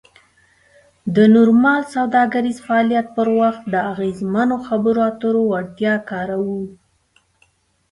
د نورمال سوداګریز فعالیت پر وخت د اغیزمنو خبرو اترو وړتیا کاروو.